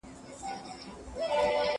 زه هره ورځ کالي وچوم؟